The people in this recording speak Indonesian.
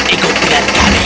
ikut dengan kami